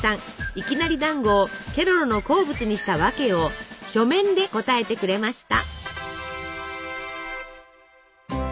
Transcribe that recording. いきなりだんごをケロロの好物にした訳を書面で答えてくれました。